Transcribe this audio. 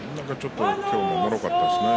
どこかもろかったですね